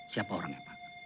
siapa orangnya pak